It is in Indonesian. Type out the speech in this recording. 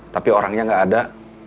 tapi orangnya gak ada